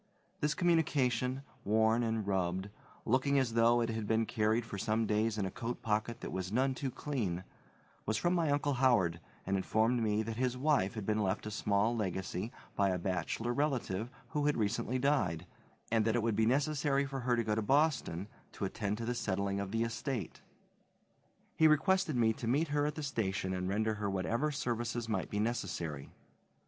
This communication, worn and rubbed, looking as though it had been carried for some days in a coat pocket that was none too clean, was from my Uncle Howard and informed me that his wife had been left a small legacy by a bachelor relative who had recently died, and that it would be necessary for her to go to Boston to attend to the settling of the estate. He requested me to meet her at the station and render her whatever services might be necessary.